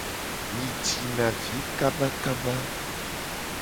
Mi jina vi kabakaba.